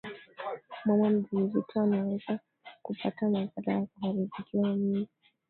mama mjamzito anaweza kupata madhara ya kuharibikiwa mimba